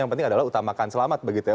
yang penting adalah utamakan selamat begitu ya